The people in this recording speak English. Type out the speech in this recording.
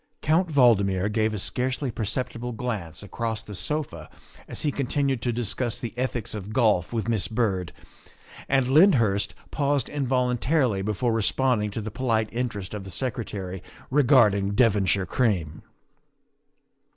Count Valdmir gave a scarcely perceptible glance across the sofa as he continued to discuss the ethics of golf with Miss Byrd, and Lyndhurst paused involun tarily before responding to the polite interest of the Secretary regarding Devonshire cream.